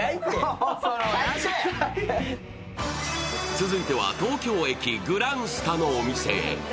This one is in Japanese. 続いては、東京駅、グランスタのお店へ。